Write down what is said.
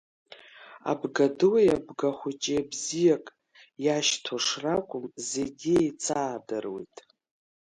Абгадуи абгахәыҷи бзиак иашьҭоу шракәым зегьы еицаадыруеит.